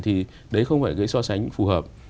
thì đấy không phải cái so sánh phù hợp